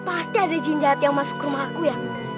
pasti ada jinjahat yang masuk ke rumah aku ya